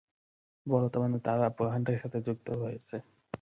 বর্তমানে তারা র ব্র্যান্ডের সাথে যুক্ত রয়েছে।